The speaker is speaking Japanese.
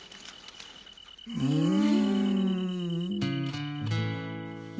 うん。